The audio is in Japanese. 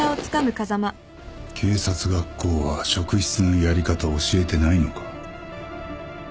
警察学校は職質のやり方を教えてないのか？